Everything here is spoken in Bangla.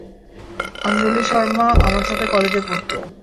আঞ্জলি শার্মা আমার সাথে কলেজে পড়তো।